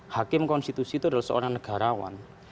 hakim konstitusi itu adalah seorang negarawan